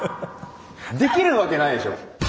できるわけないでしょ。